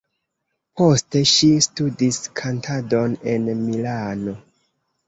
Poste ŝi studis kantadon en Milano.